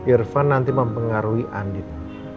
irfan nanti mempengaruhi andin